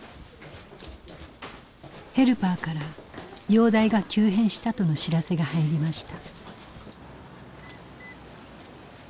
ヘルパーから容体が急変したとの知らせが入りました。